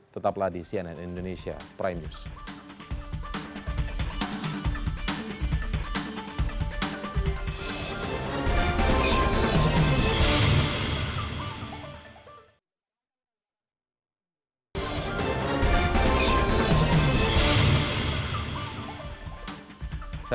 tetaplah di cnn indonesia prime news